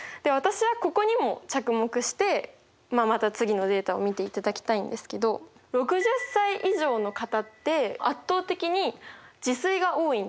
私はここにも着目してまた次のデータを見ていただきたいんですけど６０歳以上の方って圧倒的に自炊が多いんですね。